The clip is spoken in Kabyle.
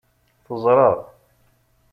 Teẓra.